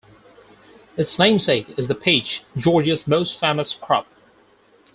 Its namesake is the peach, Georgia's most famous crop.